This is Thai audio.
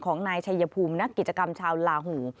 ของนายชัยภูมินักกิจกรรมชาวลาหู